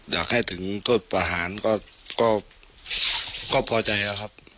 อยากให้ถึงโทษประหารก็พอใจแล้วครับ